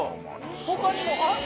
他にもあっ！